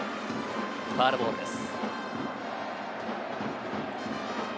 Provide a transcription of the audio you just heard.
ファウルボールです。